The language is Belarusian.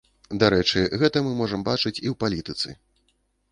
Дарэчы, гэта мы можам бачыць і ў палітыцы.